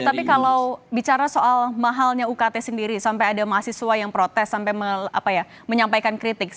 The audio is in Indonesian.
tapi kalau bicara soal mahalnya ukt sendiri sampai ada mahasiswa yang protes sampai menyampaikan kritik